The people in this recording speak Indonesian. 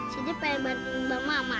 sini pengen bantu mbak mamat